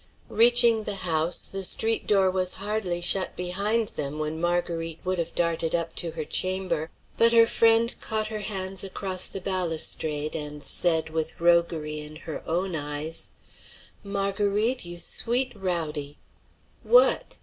Reaching the house, the street door was hardly shut behind them when Marguerite would have darted up to her chamber; but her friend caught her hands across the balustrade, and said, with roguery in her own eyes: "Marguerite, you sweet rowdy " "W'at?"